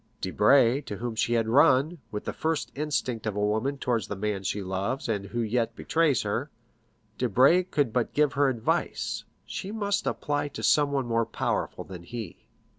Debray, to whom she had run, with the first instinct of a woman towards the man she loves, and who yet betrays her,—Debray could but give her advice, she must apply to someone more powerful than he.